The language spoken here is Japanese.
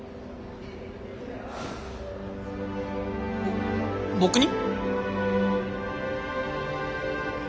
ぼ僕に？